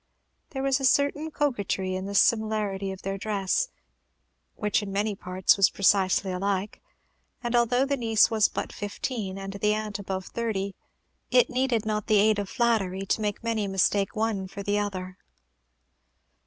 There was a certain coquetry in the similarity of their dress, which in many parts was precisely alike; and although the niece was but fifteen, and the aunt above thirty, it needed not the aid of flattery to make many mistake one for the other.